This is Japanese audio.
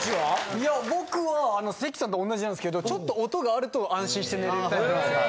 いや僕は関さんと同じなんですけどちょっと音があると安心して寝れるタイプなんですよ。